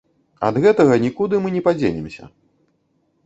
Ад гэтага нікуды мы не падзенемся.